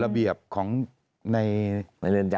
แต่ได้ยินจากคนอื่นแต่ได้ยินจากคนอื่น